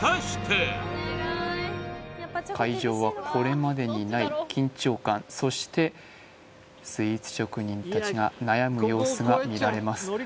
会場はこれまでにない緊張感そしてスイーツ職人たちが悩む様子が見られます